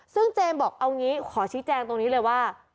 ซึ่งเจมส์บอกเอางี้ขอชี้แจงตรงนี้เลยว่า